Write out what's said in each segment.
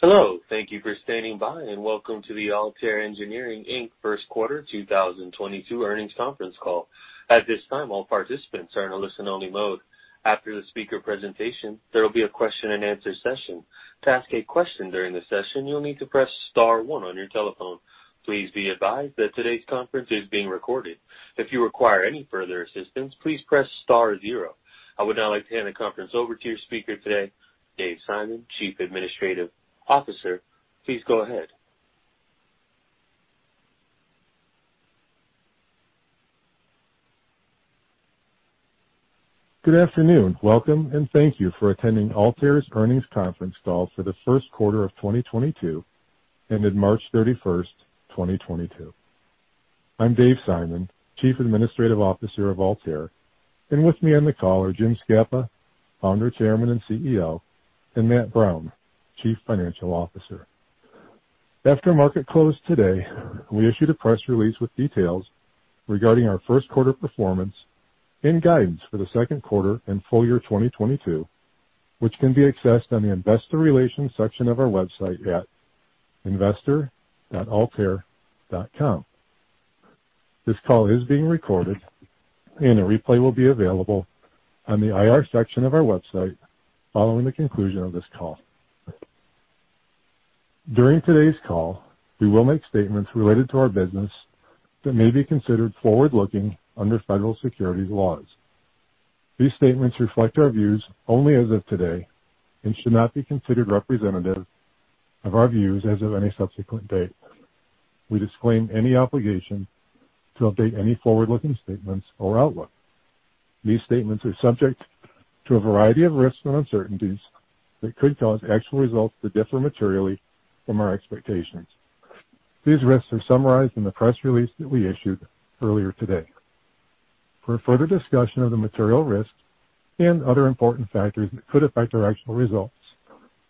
Hello, thank you for standing by, and welcome to the Altair Engineering Inc. Q1 2022 earnings conference call. At this time, all participants are in a listen-only mode. After the speaker presentation, there will be a question-and-answer session. To ask a question during the session, you'll need to press star one on your telephone. Please be advised that today's conference is being recorded. If you require any further assistance, please press star zero. I would now like to hand the conference over to your speaker today, Dave Simon, Chief Administrative Officer. Please go ahead. Good afternoon, welcome, and thank you for attending Altair's earnings conference call for the Q1 of 2022, ended March 31st, 2022. I'm Dave Simon, Chief Administrative Officer of Altair. With me on the call are Jim Scapa, Founder, Chairman, and CEO, and Matt Brown, Chief Financial Officer. After market closed today, we issued a press release with details regarding our Q1 performance and guidance for the Q2 and full year 2022, which can be accessed on the investor relations section of our website at investor.altair.com. This call is being recorded, and a replay will be available on the IR section of our website following the conclusion of this call. During today's call, we will make statements related to our business that may be considered forward-looking under federal securities laws. These statements reflect our views only as of today and should not be considered representative of our views as of any subsequent date. We disclaim any obligation to update any forward-looking statements or outlook. These statements are subject to a variety of risks and uncertainties that could cause actual results to differ materially from our expectations. These risks are summarized in the press release that we issued earlier today. For further discussion of the material risks and other important factors that could affect our actual results,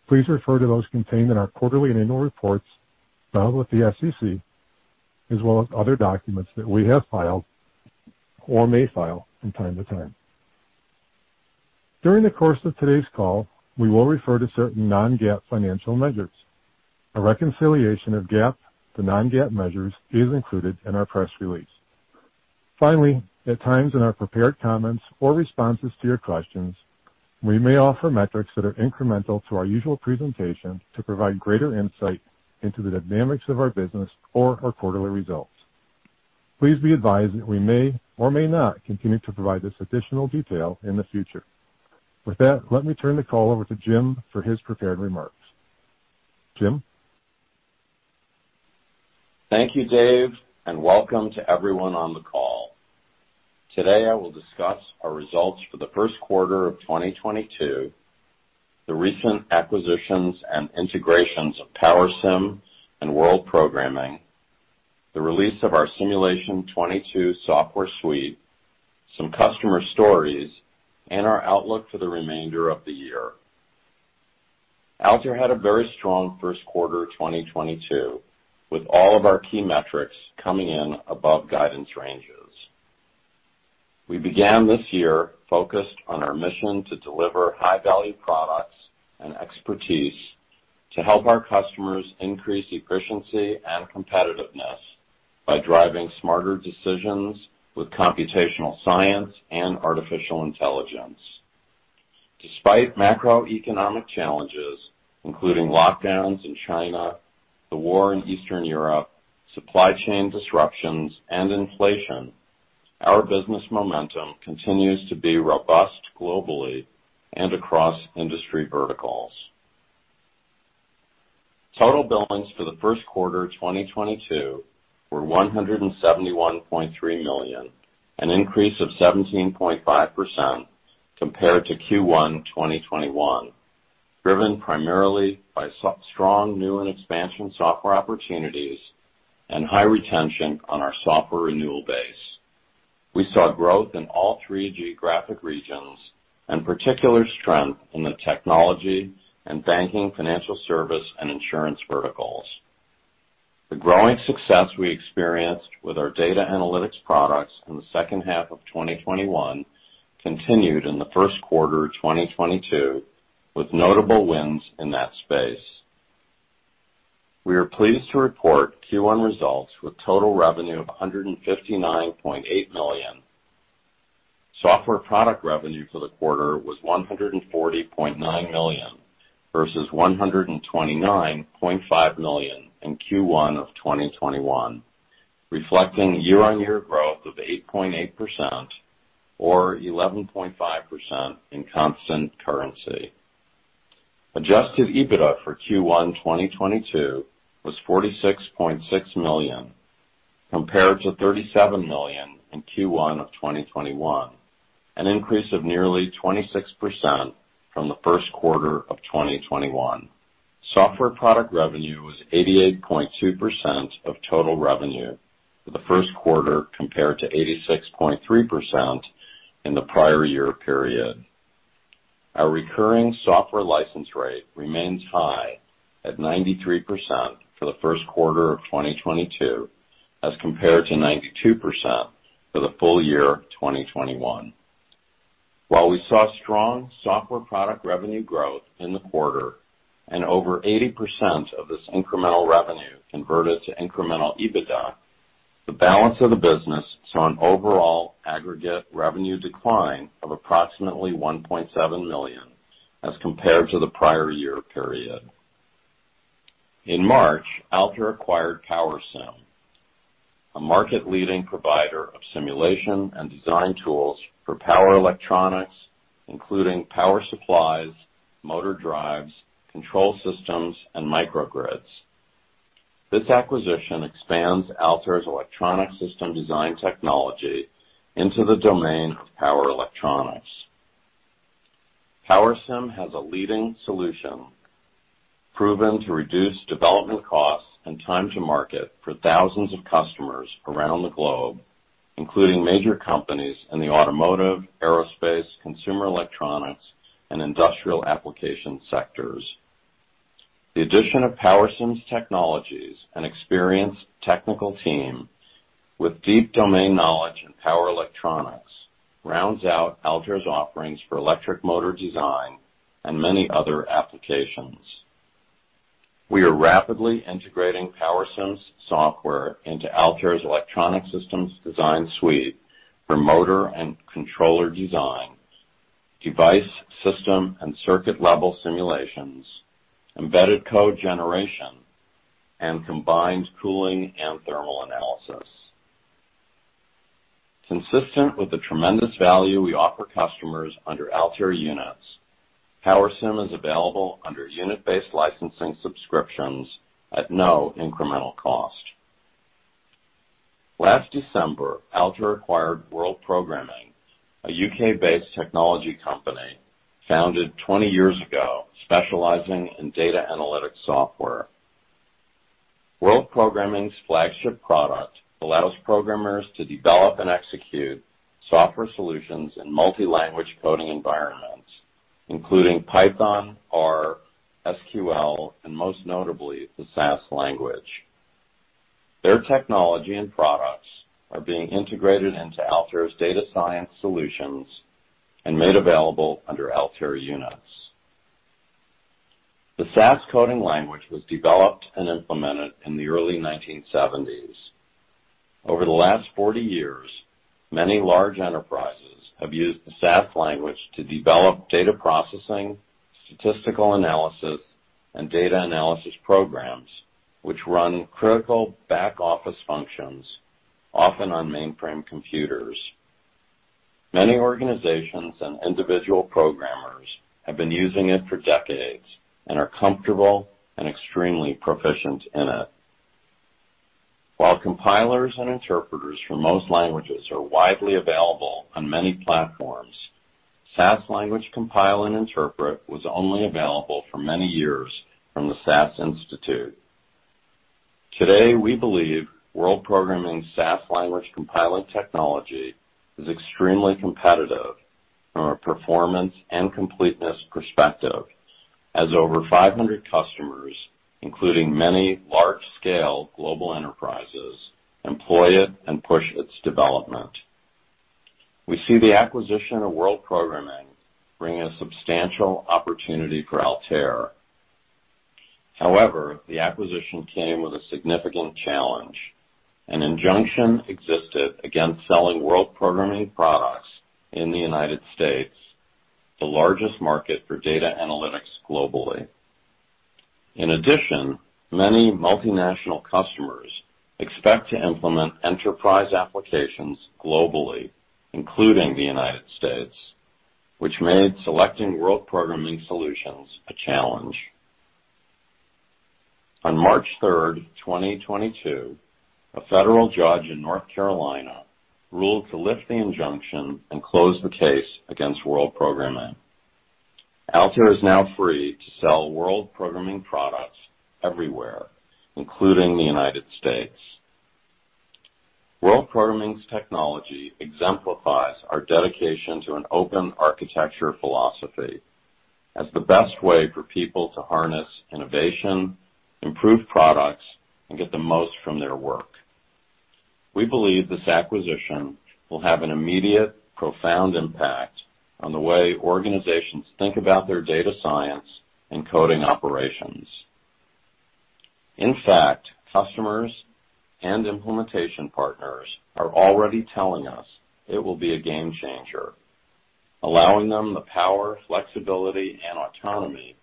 please refer to those contained in our quarterly and annual reports filed with the SEC, as well as other documents that we have filed or may file from time to time. During the course of today's call, we will refer to certain non-GAAP financial measures. A reconciliation of GAAP to non-GAAP measures is included in our press release. Finally, at times in our prepared comments or responses to your questions, we may offer metrics that are incremental to our usual presentation to provide greater insight into the dynamics of our business or our quarterly results. Please be advised that we may or may not continue to provide this additional detail in the future. With that, let me turn the call over to Jim for his prepared remarks. Jim? Thank you, Dave, and welcome to everyone on the call. Today, I will discuss our results for the Q1 of 2022, the recent acquisitions and integrations of Powersim and World Programming, the release of our Simulation 2022 software suite, some customer stories, and our outlook for the remainder of the year. Altair had a very strong Q1 2022, with all of our key metrics coming in above guidance ranges. We began this year focused on our mission to deliver high-value products and expertise to help our customers increase efficiency and competitiveness by driving smarter decisions with computational science and artificial intelligence. Despite macroeconomic challenges, including lockdowns in China, the war in Eastern Europe, supply chain disruptions, and inflation, our business momentum continues to be robust globally and across industry verticals. Total billings for the Q1 of 2022 were $171.3 million, an increase of 17.5% compared to Q1 2021, driven primarily by strong new and expansion software opportunities and high retention on our software renewal base. We saw growth in all three geographic regions, and particular strength in the technology and banking, financial service, and insurance verticals. The growing success we experienced with our data analytics products in the H2 of 2021 continued in the Q1 of 2022, with notable wins in that space. We are pleased to report Q1 results with total revenue of $159.8 million. Software product revenue for the quarter was $140.9 million versus $129.5 million in Q1 of 2021, reflecting year-on-year growth of 8.8% or 11.5% in constant currency. Adjusted EBITDA for Q1 2022 was $46.6 million, compared to $37 million in Q1 of 2021, an increase of nearly 26% from the Q1 of 2021. Software product revenue was 88.2% of total revenue for the Q1, compared to 86.3% in the prior year period. Our recurring software license rate remains high at 93% for the Q1 of 2022, as compared to 92% for the full year of 2021. While we saw strong software product revenue growth in the quarter and over 80% of this incremental revenue converted to incremental EBITDA, the balance of the business saw an overall aggregate revenue decline of approximately $1.7 million as compared to the prior year period. In March, Altair acquired Powersim, a market-leading provider of simulation and design tools for power electronics, including power supplies, motor drives, control systems, and microgrids. This acquisition expands Altair's electronic system design technology into the domain of power electronics. Powersim has a leading solution proven to reduce development costs and time to market for thousands of customers around the globe, including major companies in the automotive, aerospace, consumer electronics, and industrial application sectors. The addition of Powersim's technologies and experienced technical team with deep domain knowledge in power electronics rounds out Altair's offerings for electric motor design and many other applications. We are rapidly integrating Powersim's software into Altair's electronic systems design suite for motor and controller design, device system, and circuit-level simulations, embedded code generation, and combined cooling and thermal analysis. Consistent with the tremendous value we offer customers under Altair Units, Powersim is available under unit-based licensing subscriptions at no incremental cost. Last December, Altair acquired World Programming, a UK-based technology company founded 20 years ago, specializing in data analytics software. World Programming's flagship product allows programmers to develop and execute software solutions in multi-language coding environments, including Python, R, SQL, and most notably, the SAS language. Their technology and products are being integrated into Altair's data science solutions and made available under Altair Units. The SAS coding language was developed and implemented in the early 1970s. Over the last 40 years, many large enterprises have used the SAS language to develop data processing, statistical analysis, and data analysis programs which run critical back-office functions, often on mainframe computers. Many organizations and individual programmers have been using it for decades and are comfortable and extremely proficient in it. While compilers and interpreters for most languages are widely available on many platforms, SAS language compiler and interpreter was only available for many years from the SAS Institute. Today, we believe World Programming SAS language compiling technology is extremely competitive from a performance and completeness perspective, as over 500 customers, including many large-scale global enterprises, employ it and push its development. We see the acquisition of World Programming bringing a substantial opportunity for Altair. However, the acquisition came with a significant challenge. An injunction existed against selling World Programming products in the United States, the largest market for data analytics globally. In addition, many multinational customers expect to implement enterprise applications globally, including the United States, which made selecting World Programming solutions a challenge. On March third, twenty twenty-two, a federal judge in North Carolina ruled to lift the injunction and close the case against World Programming. Altair is now free to sell World Programming products everywhere, including the United States. World Programming's technology exemplifies our dedication to an open architecture philosophy as the best way for people to harness innovation, improve products, and get the most from their work. We believe this acquisition will have an immediate, profound impact on the way organizations think about their data science and coding operations. In fact, customers and implementation partners are already telling us it will be a game changer, allowing them the power, flexibility, and autonomy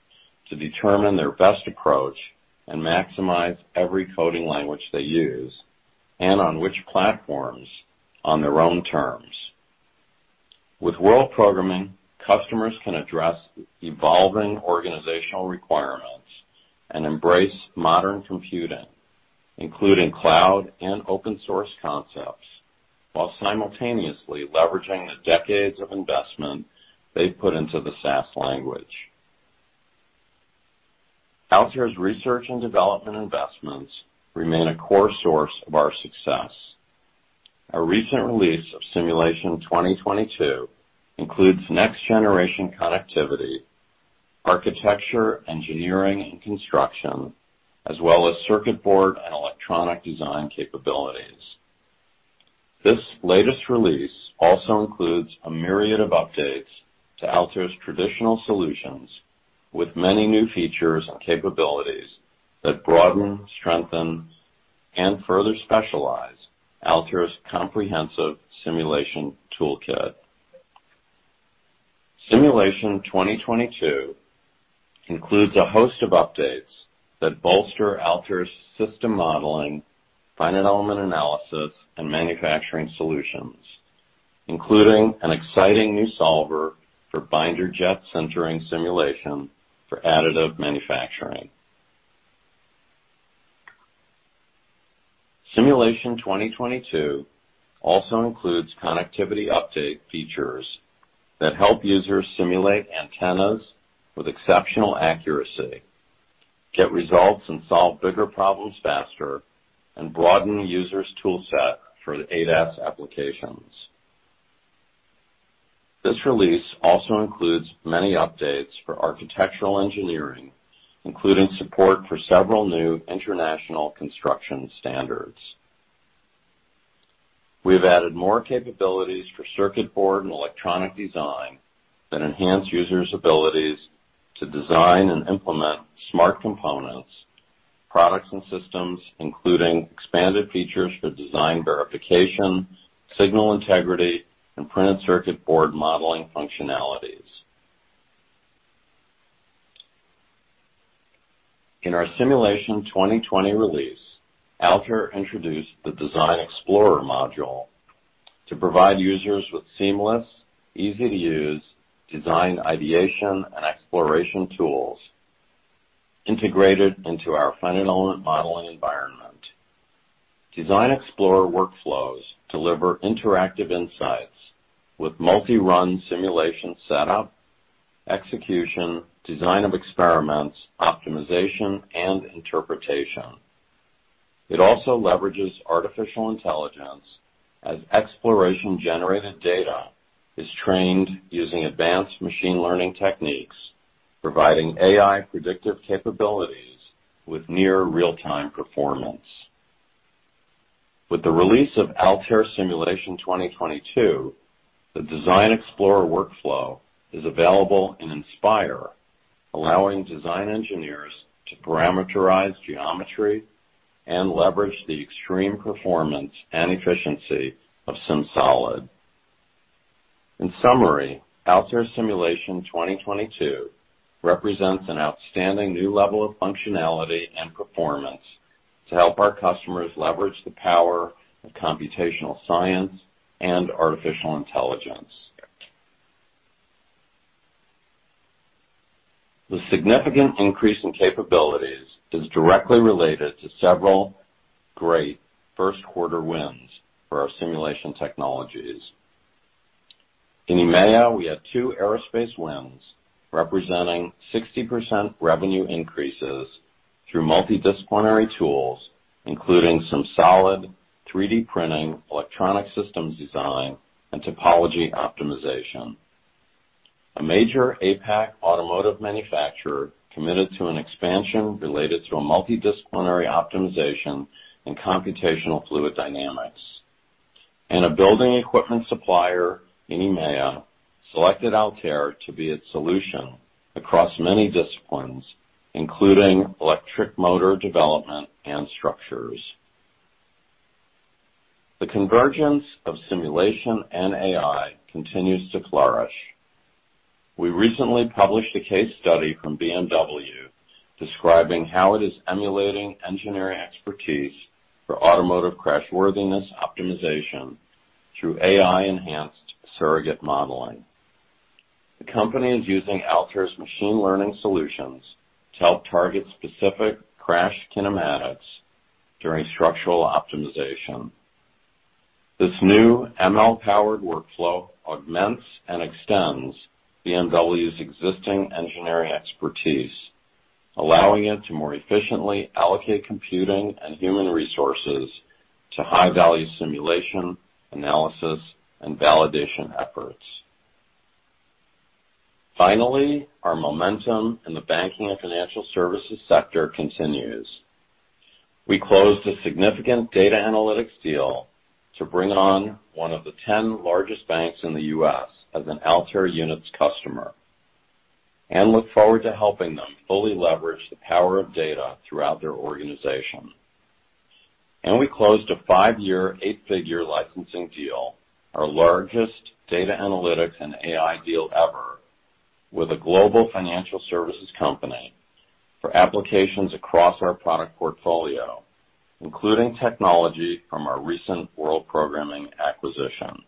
to determine their best approach and maximize every coding language they use and on which platforms on their own terms. With World Programming, customers can address evolving organizational requirements and embrace modern computing, including cloud and open-source concepts, while simultaneously leveraging the decades of investment they've put into the SAS language. Altair's research and development investments remain a core source of our success. Our recent release of Simulation 2022 includes next-generation connectivity, architecture, engineering, and construction, as well as circuit board and electronic design capabilities. This latest release also includes a myriad of updates to Altair's traditional solutions, with many new features and capabilities that broaden, strengthen, and further specialize Altair's comprehensive simulation toolkit. Simulation 2022 includes a host of updates that bolster Altair's system modeling, finite element analysis, and manufacturing solutions, including an exciting new solver for binder jet sintering simulation for additive manufacturing. Simulation 2022 also includes connectivity update features that help users simulate antennas with exceptional accuracy, get results, and solve bigger problems faster, and broaden the user's tool set for the ADAS applications. This release also includes many updates for architectural engineering, including support for several new international construction standards. We have added more capabilities for circuit board and electronic design that enhance users' abilities to design and implement smart components, products, and systems, including expanded features for design verification, signal integrity, and printed circuit board modeling functionalities. In our Simulation 2020 release, Altair introduced the Design Explorer module to provide users with seamless, easy-to-use design ideation and exploration tools integrated into our finite element modeling environment. Design Explorer workflows deliver interactive insights with multi-run simulation setup, execution, design of experiments, optimization, and interpretation. It also leverages artificial intelligence as exploration-generated data is trained using advanced machine learning techniques, providing AI predictive capabilities with near real-time performance. With the release of Altair Simulation 2022, the Design Explorer workflow is available in Inspire, allowing design engineers to parameterize geometry and leverage the extreme performance and efficiency of SimSolid. In summary, Altair Simulation 2022 represents an outstanding new level of functionality and performance to help our customers leverage the power of computational science and artificial intelligence. The significant increase in capabilities is directly related to several great Q1 wins for our simulation technologies. In EMEA, we have two aerospace wins representing 60% revenue increases through multidisciplinary tools, including SimSolid, 3D printing, electronic systems design, and topology optimization. A major APAC automotive manufacturer committed to an expansion related to a multidisciplinary optimization in computational fluid dynamics. A building equipment supplier in EMEA selected Altair to be its solution across many disciplines, including electric motor development and structures. The convergence of simulation and AI continues to flourish. We recently published a case study from BMW describing how it is emulating engineering expertise for automotive crash worthiness optimization through AI-enhanced surrogate modeling. The company is using Altair's machine learning solutions to help target specific crash kinematics during structural optimization. This new ML-powered workflow augments and extends BMW's existing engineering expertise, allowing it to more efficiently allocate computing and human resources to high-value simulation, analysis, and validation efforts. Finally, our momentum in the banking and financial services sector continues. We closed a significant data analytics deal to bring on one of the 10 largest banks in the U.S. as an Altair Units customer and look forward to helping them fully leverage the power of data throughout their organization. We closed a five-year, eight-figure licensing deal, our largest data analytics and AI deal ever, with a global financial services company for applications across our product portfolio, including technology from our recent World Programming acquisition.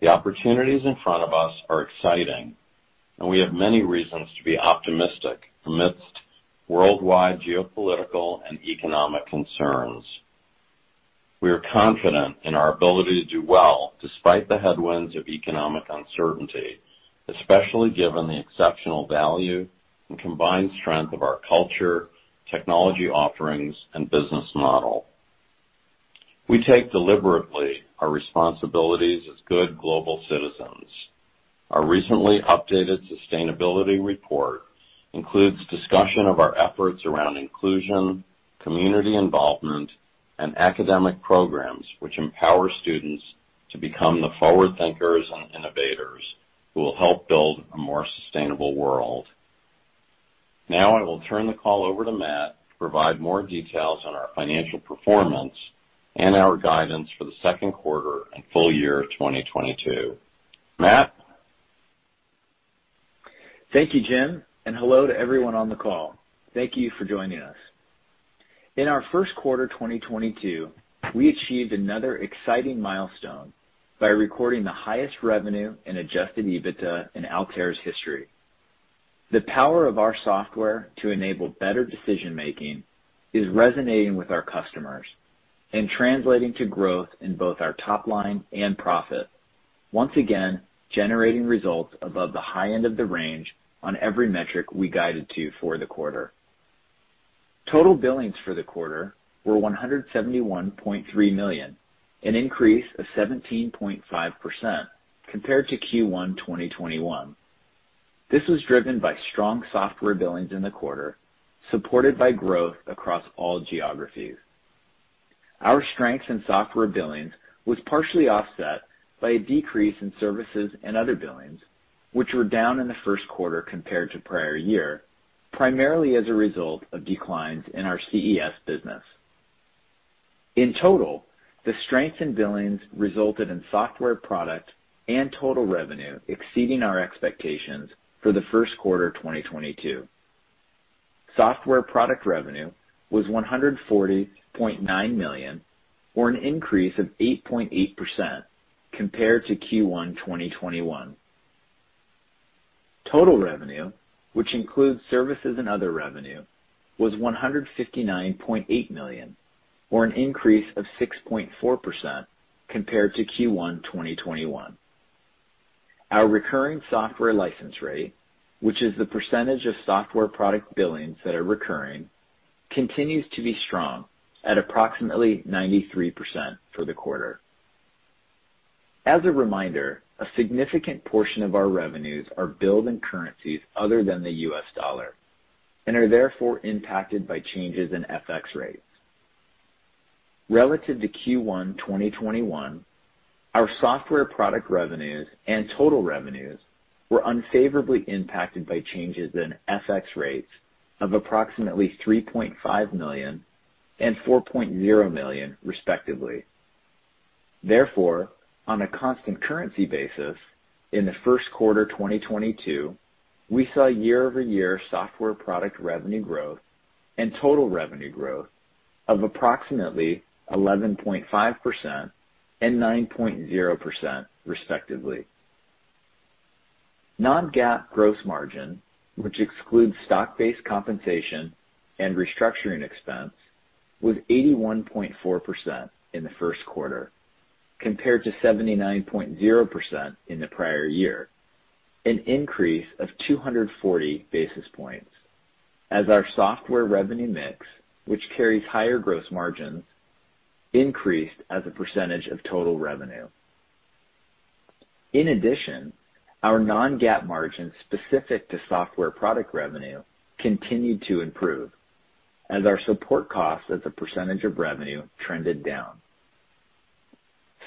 The opportunities in front of us are exciting, and we have many reasons to be optimistic amidst worldwide geopolitical and economic concerns. We are confident in our ability to do well despite the headwinds of economic uncertainty, especially given the exceptional value and combined strength of our culture, technology offerings, and business model. We take deliberately our responsibilities as good global citizens. Our recently updated sustainability report includes discussion of our efforts around inclusion, community involvement, and academic programs which empower students to become the forward thinkers and innovators who will help build a more sustainable world. Now I will turn the call over to Matt to provide more details on our financial performance and our guidance for the Q2 and full year 2022. Matt? Thank you, Jim, and hello to everyone on the call. Thank you for joining us. In our Q1 2022, we achieved another exciting milestone by recording the highest revenue and adjusted EBITDA in Altair's history. The power of our software to enable better decision-making is resonating with our customers and translating to growth in both our top line and profit, once again, generating results above the high end of the range on every metric we guided to for the quarter. Total billings for the quarter were $171.3 million, an increase of 17.5% compared to Q1 2021. This was driven by strong software billings in the quarter, supported by growth across all geographies. Our strength in software billings was partially offset by a decrease in services and other billings, which were down in the Q1 compared to prior year, primarily as a result of declines in our CES business. In total, the strength in billings resulted in software product and total revenue exceeding our expectations for the Q1 2022. Software product revenue was $140.9 million, or an increase of 8.8% compared to Q1 2021. Total revenue, which includes services and other revenue, was $159.8 million, or an increase of 6.4% compared to Q1 2021. Our recurring software license rate, which is the percentage of software product billings that are recurring, continues to be strong at approximately 93% for the quarter. As a reminder, a significant portion of our revenues are billed in currencies other than the US dollar and are therefore impacted by changes in FX rates. Relative to Q1 2021, our software product revenues and total revenues were unfavorably impacted by changes in FX rates of approximately $3.5 million and $4.0 million, respectively. Therefore, on a constant currency basis, in the Q1 2022, we saw year-over-year software product revenue growth and total revenue growth of approximately 11.5% and 9.0%, respectively. non-GAAP gross margin, which excludes stock-based compensation and restructuring expense, was 81.4% in the Q1, compared to 79.0% in the prior year, an increase of 240 basis points as our software revenue mix, which carries higher gross margins, increased as a percentage of total revenue. In addition, our non-GAAP margins specific to software product revenue continued to improve as our support costs as a percentage of revenue trended down.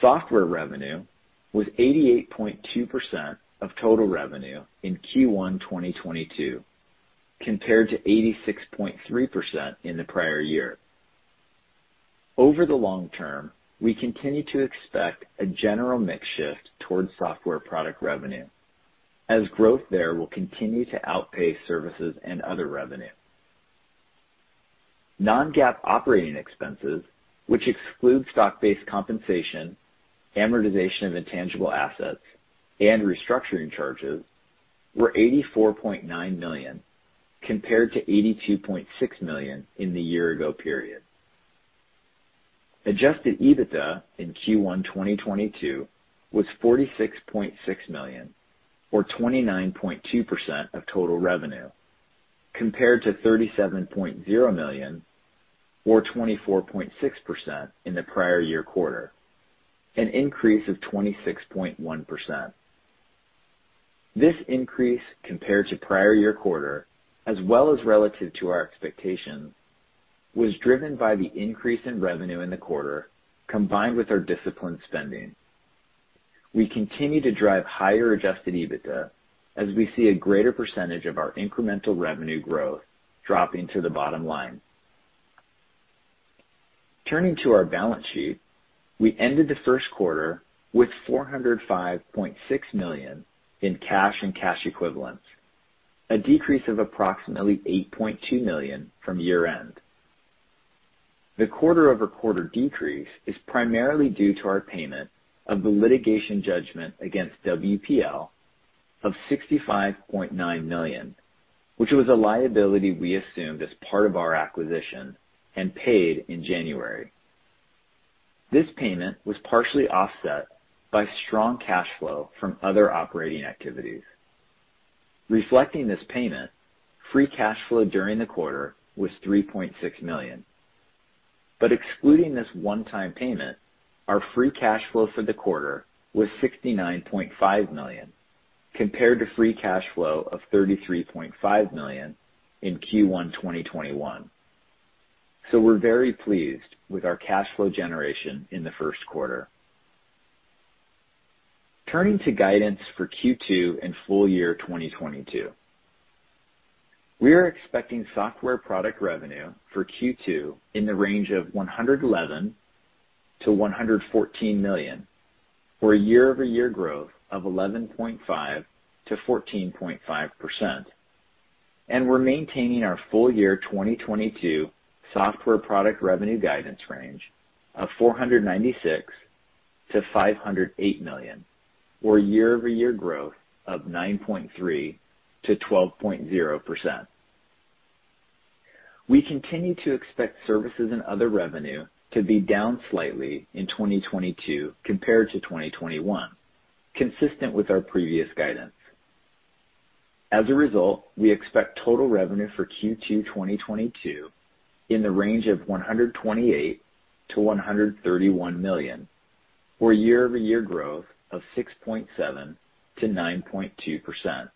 Software revenue was 88.2% of total revenue in Q1 2022, compared to 86.3% in the prior year. Over the long term, we continue to expect a general mix shift towards software product revenue as growth there will continue to outpace services and other revenue. Non-GAAP operating expenses, which excludes stock-based compensation, amortization of intangible assets, and restructuring charges, were $84.9 million, compared to $82.6 million in the year ago period. Adjusted EBITDA in Q1 2022 was $46.6 million or 29.2% of total revenue, compared to $37.0 million or 24.6% in the prior year quarter, an increase of 26.1%. This increase compared to prior year quarter as well as relative to our expectations, was driven by the increase in revenue in the quarter combined with our disciplined spending. We continue to drive higher adjusted EBITDA as we see a greater percentage of our incremental revenue growth dropping to the bottom line. Turning to our balance sheet, we ended the Q1 with $405.6 million in cash and cash equivalents, a decrease of approximately $8.2 million from year-end. The quarter-over-quarter decrease is primarily due to our payment of the litigation judgment against WPL of $65.9 million, which was a liability we assumed as part of our acquisition and paid in January. This payment was partially offset by strong cash flow from other operating activities. Reflecting this payment, free cash flow during the quarter was $3.6 million. Excluding this one-time payment, our free cash flow for the quarter was $69.5 million, compared to free cash flow of $33.5 million in Q1 2021. We're very pleased with our cash flow generation in the Q1. Turning to guidance for Q2 and full year 2022. We are expecting software product revenue for Q2 in the range of $111 million-$114 million, for a year-over-year growth of 11.5%-14.5%. We're maintaining our full year 2022 software product revenue guidance range of $496 million-$508 million, or year-over-year growth of 9.3%-12.0%. We continue to expect services and other revenue to be down slightly in 2022 compared to 2021, consistent with our previous guidance. As a result, we expect total revenue for Q2 2022 in the range of $128 million-$131 million, or year-over-year growth of 6.7%-9.2%.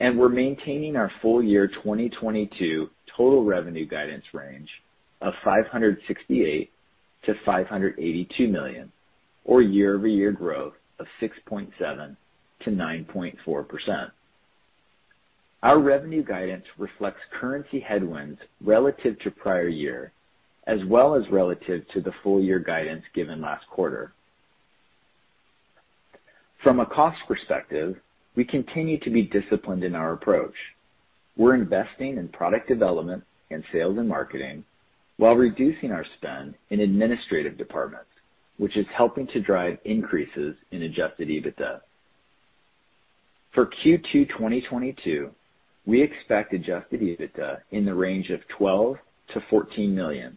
We're maintaining our full year 2022 total revenue guidance range of $568 million-$582 million, or year-over-year growth of 6.7%-9.4%. Our revenue guidance reflects currency headwinds relative to prior year as well as relative to the full year guidance given last quarter. From a cost perspective, we continue to be disciplined in our approach. We're investing in product development and sales and marketing while reducing our spend in administrative departments, which is helping to drive increases in adjusted EBITDA. For Q2 2022, we expect adjusted EBITDA in the range of $12 million-$14 million,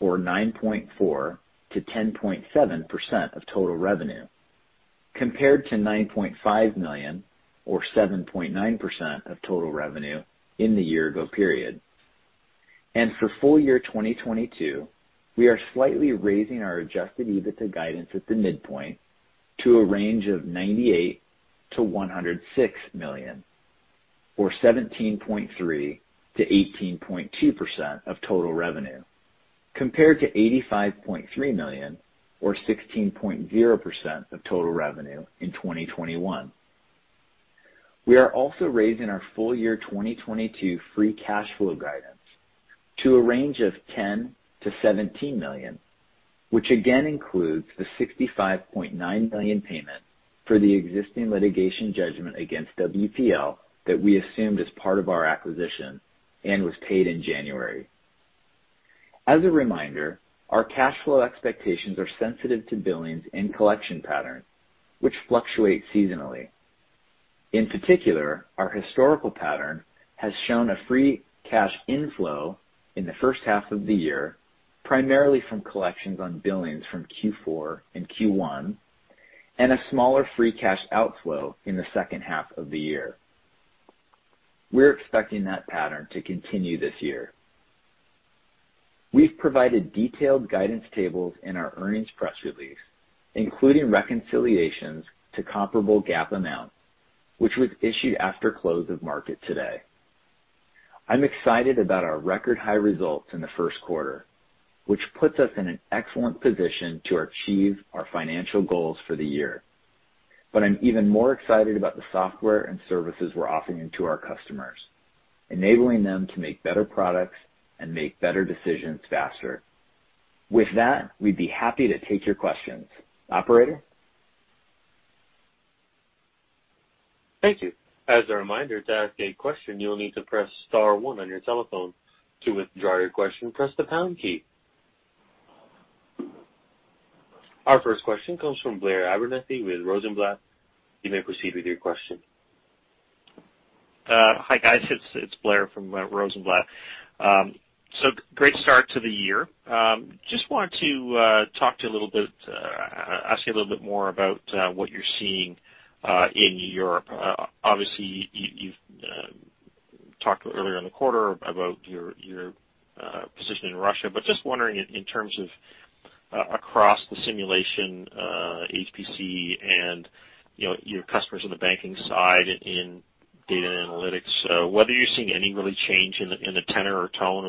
or 9.4%-10.7% of total revenue, compared to $9.5 million or 7.9% of total revenue in the year-ago period. For full year 2022, we are slightly raising our adjusted EBITDA guidance at the midpoint to a range of $98 million-$106 million, or 17.3%-18.2% of total revenue, compared to $85.3 million or 16.0% of total revenue in 2021. We are also raising our full year 2022 free cash flow guidance to a range of $10 million-$17 million, which again includes the $65.9 million payment for the existing litigation judgment against WPL that we assumed as part of our acquisition and was paid in January. As a reminder, our cash flow expectations are sensitive to billings and collection patterns, which fluctuate seasonally. In particular, our historical pattern has shown a free cash inflow in the H1 of the year, primarily from collections on billings from Q4 and Q1, and a smaller free cash outflow in the H2 of the year. We're expecting that pattern to continue this year. We've provided detailed guidance tables in our earnings press release, including reconciliations to comparable GAAP amounts, which was issued after close of market today. I'm excited about our record high results in the Q1, which puts us in an excellent position to achieve our financial goals for the year. I'm even more excited about the software and services we're offering to our customers, enabling them to make better products and make better decisions faster. With that, we'd be happy to take your questions. Operator? Thank you. As a reminder, to ask a question, you will need to press star one on your telephone. To withdraw your question, press the pound key. Our first question comes from Blair Abernethy with Rosenblatt. You may proceed with your question. Hi, guys. It's Blair from Rosenblatt. Great start to the year. Just wanted to ask you a little bit more about what you're seeing in Europe. Obviously, you've talked earlier in the quarter about your position in Russia. Just wondering in terms of across the simulation, HPC and, you know, your customers on the banking side in data analytics, whether you're seeing any real change in the tenor or tone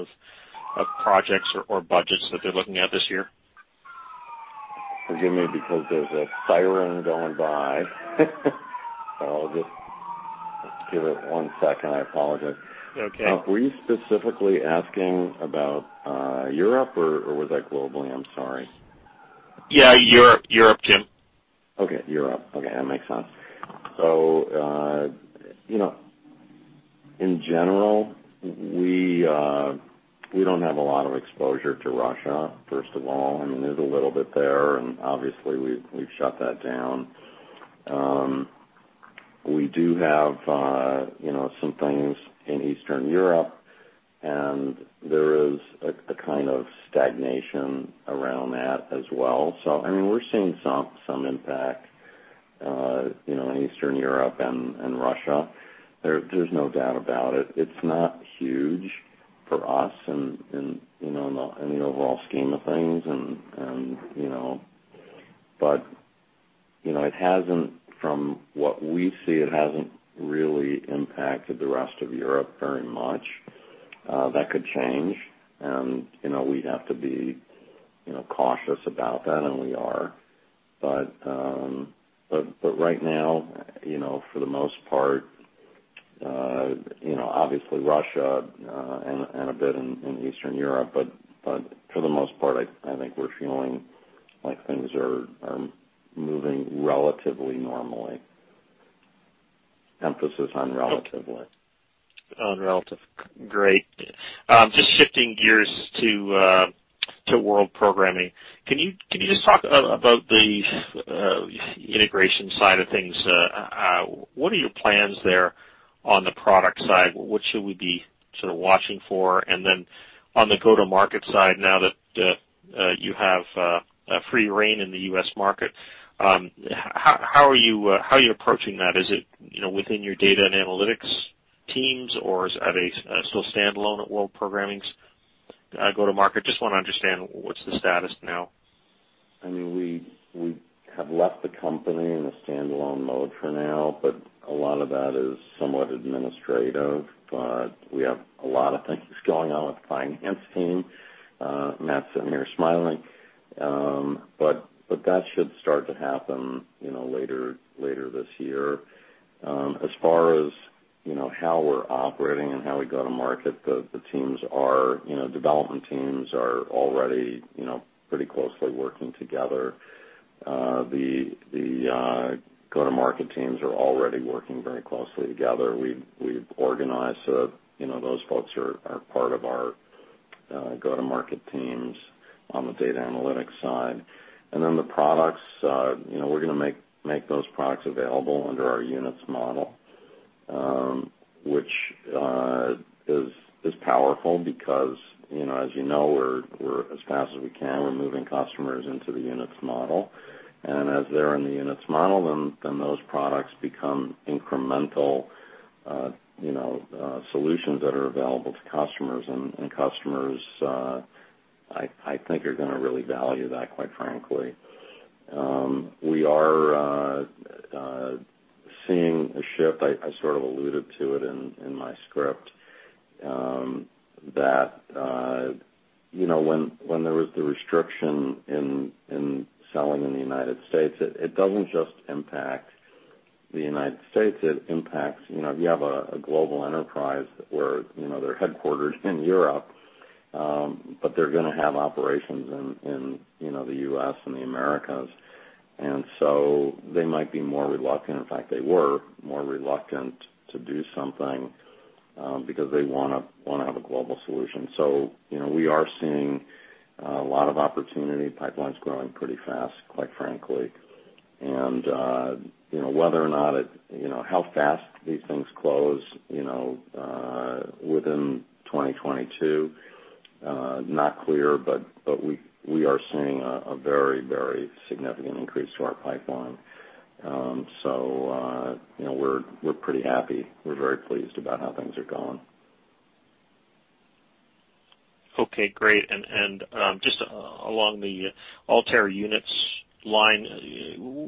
of projects or budgets that they're looking at this year. Forgive me because there's a siren going by. I'll just give it one second. I apologize. Okay. Were you specifically asking about Europe, or was that globally? I'm sorry. Yeah, Europe, Jim. Okay, Europe. Okay, that makes sense. You know, in general, we don't have a lot of exposure to Russia, first of all. I mean, there's a little bit there, and obviously we've shut that down. We do have, you know, some things in Eastern Europe. There is a kind of stagnation around that as well. I mean, we're seeing some impact, you know, in Eastern Europe and Russia. There's no doubt about it. It's not huge for us in, you know, in the overall scheme of things and you know. You know, it hasn't, from what we see, really impacted the rest of Europe very much. That could change and, you know, we'd have to be, you know, cautious about that, and we are. But right now, you know, for the most part, you know, obviously Russia and a bit in Eastern Europe. But for the most part, I think we're feeling like things are moving relatively normally. Emphasis on relatively. On relative. Great. Just shifting gears to World Programming. Can you just talk about the integration side of things? What are your plans there on the product side? What should we be sort of watching for? And then on the go-to-market side now that you have free rein in the US market, how are you approaching that? Is it, you know, within your data and analytics teams or are they still standalone at World Programming's go-to-market? Just wanna understand what's the status now. I mean, we have left the company in a standalone mode for now, but a lot of that is somewhat administrative. We have a lot of things going on with the finance team. Matt's sitting here smiling. That should start to happen, you know, later this year. As far as, you know, how we're operating and how we go to market, the teams are, you know, development teams are already, you know, pretty closely working together. The go-to-market teams are already working very closely together. We've organized so, you know, those folks are part of our go-to-market teams on the data analytics side. The products, you know, we're gonna make those products available under our units model, which is powerful because, you know, as you know, we're as fast as we can, we're moving customers into the units model. As they're in the units model, then those products become incremental, you know, solutions that are available to customers. Customers, I think are gonna really value that, quite frankly. We are seeing a shift. I sort of alluded to it in my script, that you know, when there was the restriction in selling in the United States, it doesn't just impact the United States, it impacts you know, if you have a global enterprise where you know, they're headquartered in Europe, but they're gonna have operations in you know, the U.S. and the Americas. They might be more reluctant, in fact, they were more reluctant to do something, because they wanna have a global solution. You know, we are seeing a lot of opportunity. Pipeline's growing pretty fast, quite frankly. You know, whether or not it, you know, how fast these things close, you know, within 2022, not clear, but we are seeing a very significant increase to our pipeline. You know, we're pretty happy. We're very pleased about how things are going. Okay, great. Just along the Altair Units line,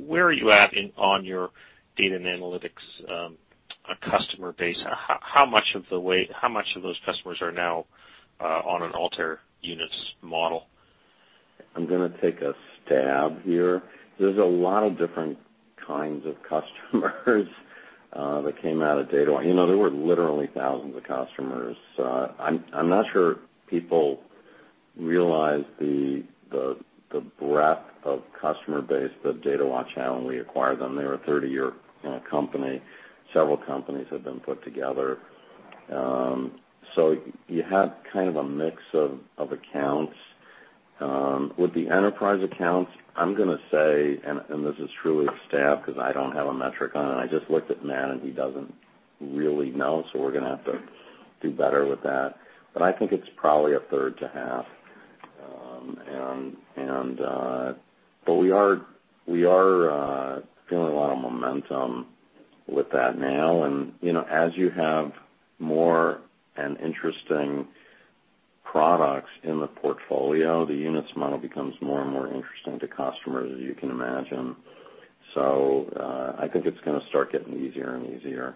where are you at in on your data and analytics customer base? How much of those customers are now on an Altair Units model? I'm gonna take a stab here. There's a lot of different kinds of customers that came out of Datawatch. You know, there were literally thousands of customers. I'm not sure people realize the breadth of customer base that Datawatch had when we acquired them. They were a 30-year company. Several companies had been put together. So you had kind of a mix of accounts. With the enterprise accounts, I'm gonna say, and this is truly a stab because I don't have a metric on it. I just looked at Matt and he doesn't really know, so we're gonna have to do better with that. I think it's probably a third to half, and we are feeling a lot of momentum with that now. You know, as you have more and interesting products in the portfolio, the units model becomes more and more interesting to customers, as you can imagine. I think it's gonna start getting easier and easier.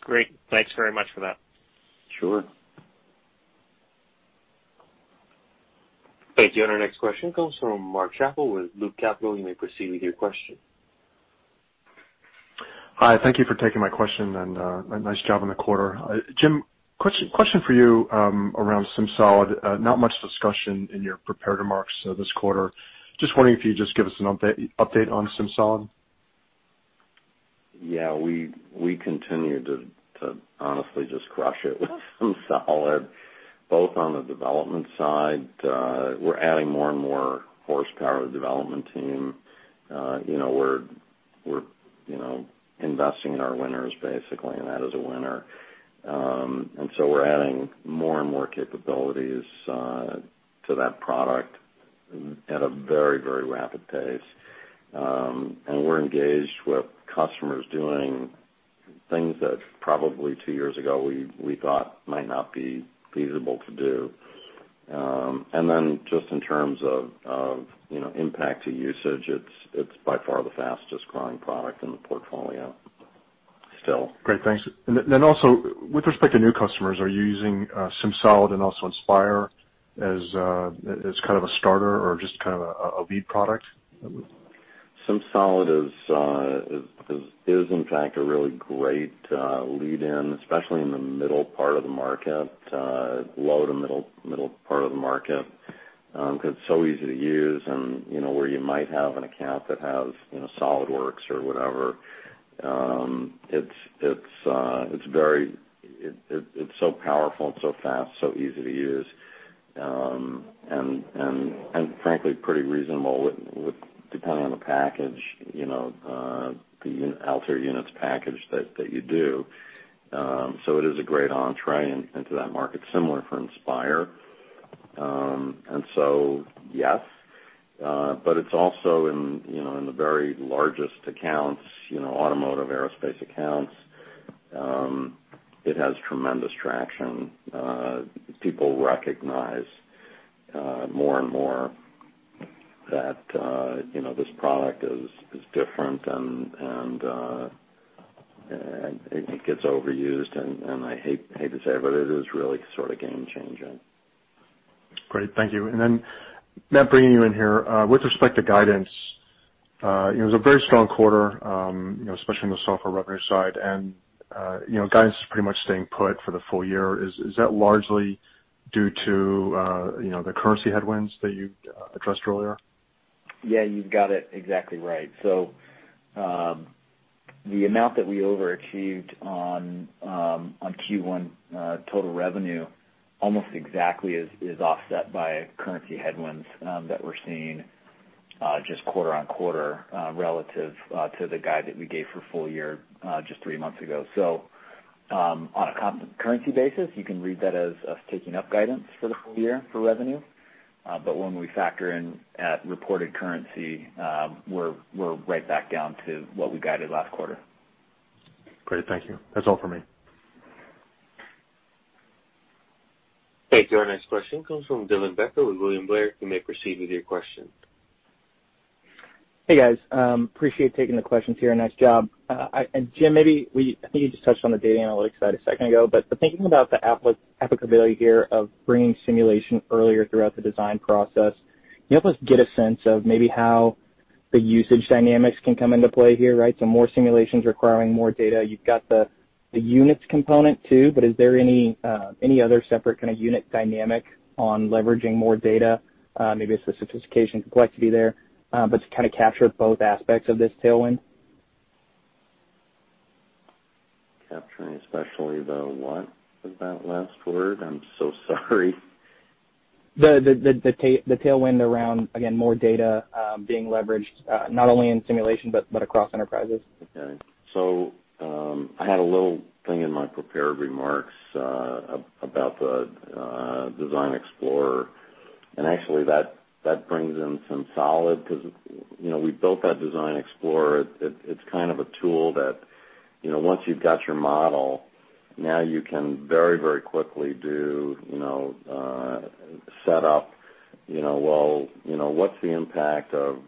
Great. Thanks very much for that. Sure. Thank you. Our next question comes from Mark Schappel with Loop Capital. You may proceed with your question. Hi, thank you for taking my question and, nice job on the quarter. Jim, question for you, around SimSolid. Not much discussion in your prepared remarks, this quarter. Just wondering if you could just give us an update on SimSolid. Yeah. We continue to honestly just crush it with SimSolid. Both on the development side, we're adding more and more horsepower to the development team. You know, we're you know, investing in our winners basically, and that is a winner. We're adding more and more capabilities to that product at a very, very rapid pace. We're engaged with customers doing things that probably two years ago we thought might not be feasible to do. Just in terms of you know, impact to usage, it's by far the fastest growing product in the portfolio still. Great. Thanks. With respect to new customers, are you using SimSolid and also Inspire as kind of a starter or just kind of a lead product? SimSolid is in fact a really great lead in, especially in the middle part of the market, low to middle part of the market, because it's so easy to use and, you know, where you might have an account that has, you know, SOLIDWORKS or whatever, it's very powerful and so fast, so easy to use. Frankly, pretty reasonable with depending on the package, you know, the Altair Units package that you do. It is a great entree into that market, similar for Inspire. It's also in the very largest accounts, you know, automotive, aerospace accounts, it has tremendous traction. People recognize more and more that, you know, this product is different and it gets overused and I hate to say it, but it is really sort of game changing. Great. Thank you. Matt, bringing you in here, with respect to guidance, it was a very strong quarter, you know, especially in the software revenue side and, you know, guidance is pretty much staying put for the full year. Is that largely due to, you know, the currency headwinds that you addressed earlier? Yeah, you've got it exactly right. The amount that we overachieved on Q1 total revenue almost exactly is offset by currency headwinds that we're seeing just quarter-over-quarter relative to the guide that we gave for full year just three months ago. On a currency basis, you can read that as us taking up guidance for the full year for revenue. When we factor in at reported currency, we're right back down to what we guided last quarter. Great. Thank you. That's all for me. Thank you. Our next question comes from Dylan Becker with William Blair. You may proceed with your question. Hey, guys. Appreciate taking the questions here. Nice job. Jim, I think you just touched on the data analytics side a second ago, but thinking about the applicability here of bringing simulation earlier throughout the design process, can you help us get a sense of maybe how the usage dynamics can come into play here, right? So more simulations requiring more data. You've got the units component too, but is there any other separate kind of unit dynamic on leveraging more data? Maybe it's the sophistication complexity there, but to kind of capture both aspects of this tailwind. Capturing especially the what was that last word? I'm so sorry. The tailwind around, again, more data being leveraged, not only in simulation, but across enterprises. Okay. I had a little thing in my prepared remarks about the Design Explorer. Actually that brings in SimSolid because, you know, we built that Design Explorer. It's kind of a tool that, you know, once you've got your model, now you can very, very quickly do, you know, set up, you know, what's the impact of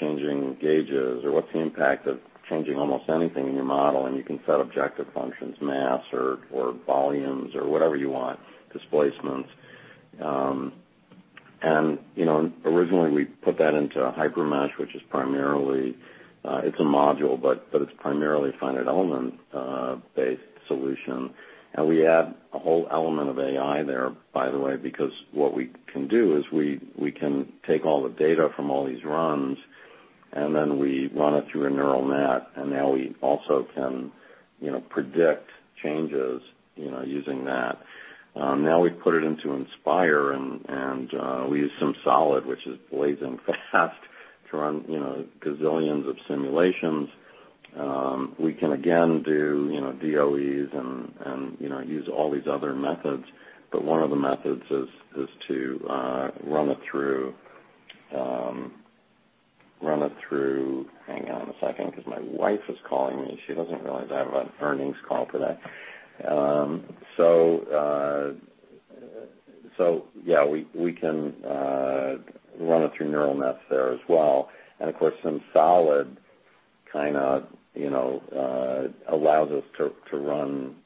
changing gauges or what's the impact of changing almost anything in your model? You can set objective functions, mass or volumes or whatever you want, displacements. You know, originally we put that into a HyperMesh, which is primarily, it's a module, but it's primarily finite element based solution. We add a whole element of AI there, by the way, because what we can do is we can take all the data from all these runs, and then we run it through a neural net, and now we also can, you know, predict changes, you know, using that. Now we put it into Inspire and we use SimSolid, which is blazing fast to run, you know, gazillions of simulations. We can again do, you know, DOEs and you know, use all these other methods. One of the methods is to run it through. Hang on a second, because my wife is calling me. She doesn't realize I have an earnings call today. Yeah, we can run it through neural nets there as well. Of course, SimSolid kind of, you know, allows us to run,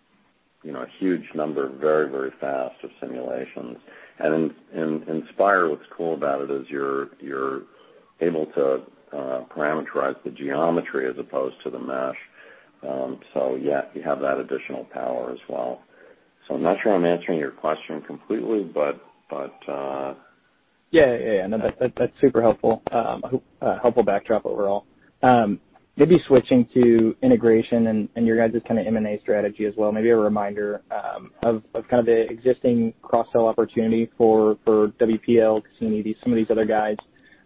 you know, a huge number very, very fast of simulations. In Inspire, what's cool about it is you're able to parameterize the geometry as opposed to the mesh. Yeah, you have that additional power as well. I'm not sure I'm answering your question completely, but. Yeah, yeah. No, that's super helpful. Helpful backdrop overall. Maybe switching to integration and your guys' kind of M&A strategy as well. Maybe a reminder of kind of the existing cross-sell opportunity for WPL, Cassini, some of these other guys,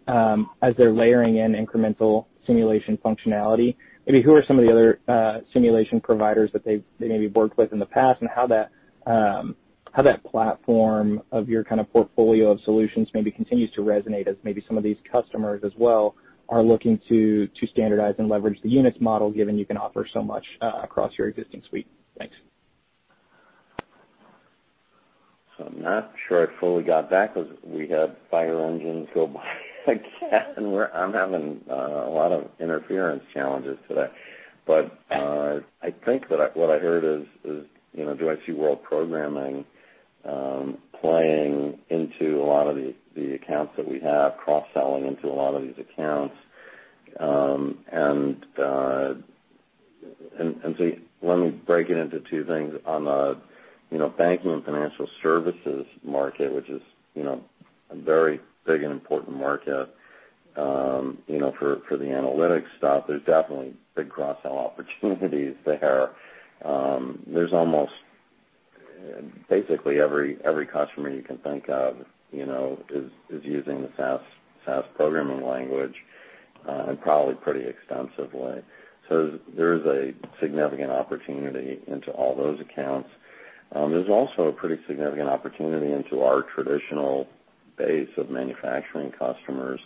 as they're layering in incremental simulation functionality. Maybe who are some of the other simulation providers that they've maybe worked with in the past, and how that platform of your kind of portfolio of solutions maybe continues to resonate as maybe some of these customers as well are looking to standardize and leverage the units model, given you can offer so much across your existing suite. Thanks. I'm not sure I fully got that because we had fire engines go by again. I'm having a lot of interference challenges today. I think that what I heard is you know do I see World Programming playing into a lot of the accounts that we have cross-selling into a lot of these accounts. Let me break it into two things. On the you know banking and financial services market which is you know a very big and important market you know for the analytics stuff there's definitely big cross-sell opportunities there. There's almost basically every customer you can think of you know is using the SAS programming language and probably pretty extensively. There is a significant opportunity into all those accounts. There's also a pretty significant opportunity into our traditional base of manufacturing customers,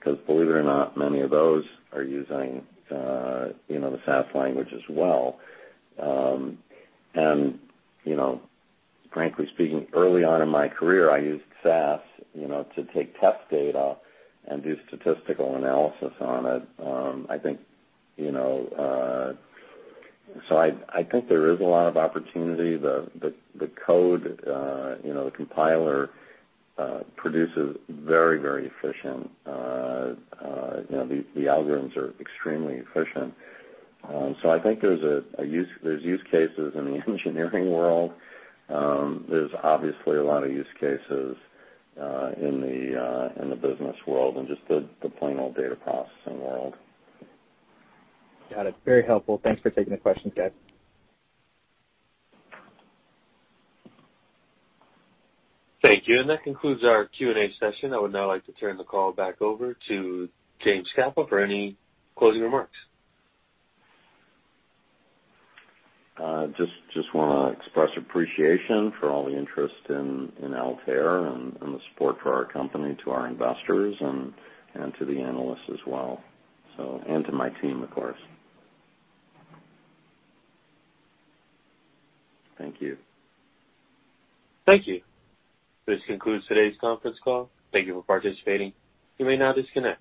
'cause believe it or not, many of those are using, you know, the SAS language as well. You know, frankly speaking, early on in my career, I used SAS, you know, to take test data and do statistical analysis on it. I think there is a lot of opportunity. The code, you know, the compiler produces very efficient. You know, the algorithms are extremely efficient. I think there's use cases in the engineering world. There's obviously a lot of use cases in the business world and just the plain old data processing world. Got it. Very helpful. Thanks for taking the question, Ted. Thank you. That concludes our Q&A session. I would now like to turn the call back over to Jim Scapa for any closing remarks. Just wanna express appreciation for all the interest in Altair and the support for our company, to our investors and to the analysts as well. To my team, of course. Thank you. Thank you. This concludes today's conference call. Thank you for participating. You may now disconnect.